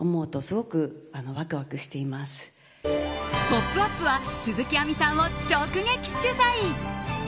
「ポップＵＰ！」は鈴木亜美さんを直撃取材。